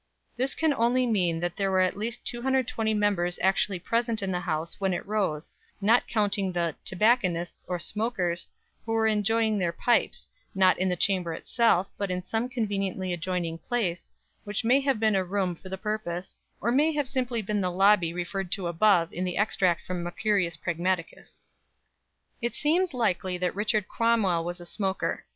This can only mean that there were at least 220 members actually present in the House when it rose, not counting the "tobacconists" or smokers, who were enjoying their pipes, not in the Chamber itself, but in some conveniently adjoining place, which may have been a room for the purpose, or may simply have been the lobby referred to above in the extract from "Mercurius Pragmaticus." It seems likely that Richard Cromwell was a smoker.